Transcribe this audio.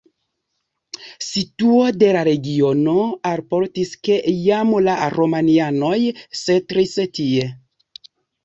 Situo de la regiono alportis, ke jam la romianoj setlis tie.